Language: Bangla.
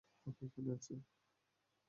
ও কি এখানে আছে?